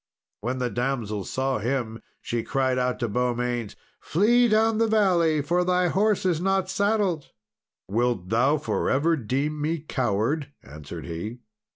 When the damsel saw him, she cried out to Beaumains, "Flee down the valley, for thy horse is not saddled!" "Wilt thou for ever deem me coward?" answered he.